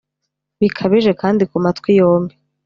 bikabije kandi ku matwi yombi